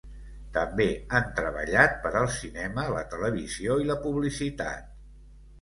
També han treballat per al cinema, la televisió i la publicitat.